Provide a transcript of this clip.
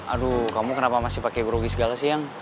aduh kamu kenapa masih pakai grogi segala siang